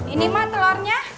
ini man telurnya